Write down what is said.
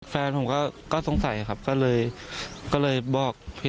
เวลาไหน